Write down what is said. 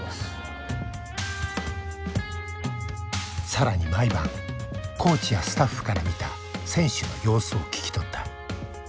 更に毎晩コーチやスタッフから見た選手の様子を聞き取った。